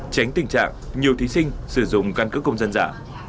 tránh tình trạng nhiều thí sinh sử dụng căn cứ công dân giả